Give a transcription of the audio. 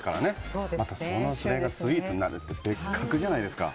それがスイーツになるって別格じゃないですか。